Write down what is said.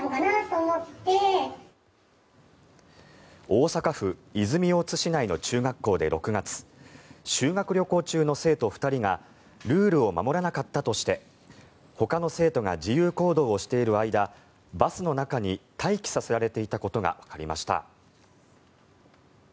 大阪府泉大津市内の中学校で６月修学旅行中の生徒２人がルールを守らなかったとしてほかの生徒が自由行動をしている間バスの中に待機させられていたことがわかりました。